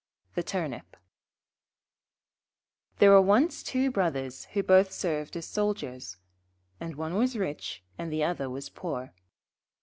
The Turnip There were once two Brothers who both served as soldiers, and one was rich and the other was poor.